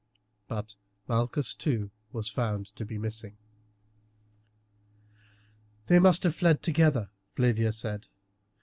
But Malchus too was found to be missing. "They must have fled together," Flavia said.